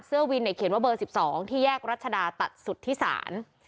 เสื้อวินไหนเขียนว่าเบอร์สิบสองที่แยกรัชดาตัดสุทธิศาล